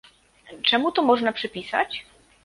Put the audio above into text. Czemu to można przypisać?